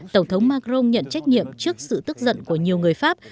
tổng thống macron nhận trách nhiệm trước sự tức giận của nhiều người pháp